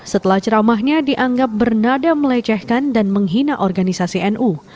setelah ceramahnya dianggap bernada melecehkan dan menghina organisasi nu